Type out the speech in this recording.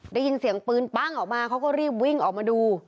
ได้ยินเสียงปืนปั้งออกมาเขาก็รีบวิ่งออกมาดู